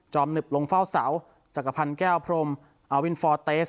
หนึบลงเฝ้าเสาจักรพันธ์แก้วพรมอาวินฟอร์เตส